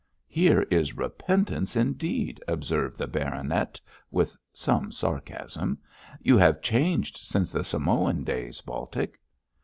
'Here is repentance indeed!' observed the baronet, with some sarcasm. 'You have changed since the Samoan days, Baltic!'